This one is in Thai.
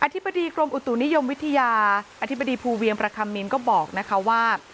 ธิบดีกรมอุตุนิยมวิทยาอธิบดีภูเวียงประคัมมินก็บอกนะคะว่า